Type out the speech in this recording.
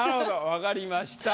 分かりました。